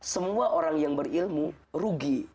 semua orang yang berilmu rugi